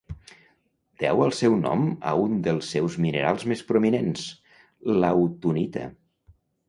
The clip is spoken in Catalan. Deu el seu nom a un dels seus minerals més prominents, l'autunita.